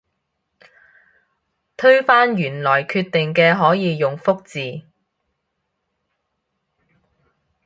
推翻原來決定嘅可以用覆字